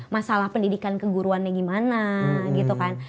masalah pendidikan keguruan ya gimana gitu kan